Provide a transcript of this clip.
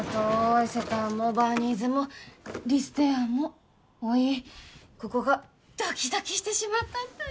伊勢丹もバーニーズもリステアもおいここがドキドキしてしまったったい